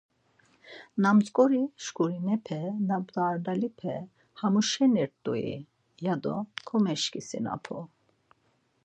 Na mtzori şǩurinape, na bdardalipe hamuşena’rt̆ui, yado komeşǩisinapu.